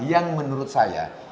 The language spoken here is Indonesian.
yang menurut saya